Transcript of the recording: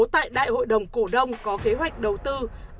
tại đại hội đồng cổ đông có kế hoạch đầu tư